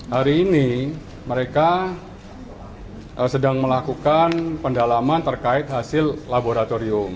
hari ini mereka sedang melakukan pendalaman terkait hasil laboratorium